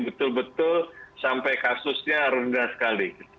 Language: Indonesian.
betul betul sampai kasusnya rendah sekali